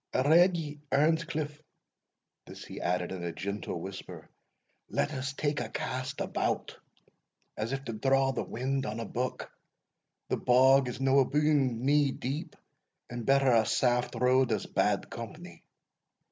I redd ye, Earnscliff" (this he added in a gentle whisper), "let us take a cast about, as if to draw the wind on a buck the bog is no abune knee deep, and better a saft road as bad company."